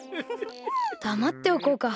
だまっておこうか。